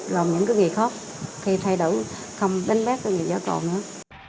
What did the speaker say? làm những cái nghề khác thì thay đổi không đến bác cái nghề dã cào nữa